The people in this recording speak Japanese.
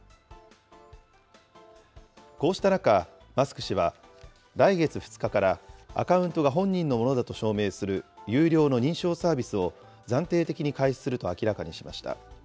こうした中、マスク氏は、来月２日から、アカウントが本人のものだと証明する有料の認証サービスを、暫定的に開始すると明らかにしました。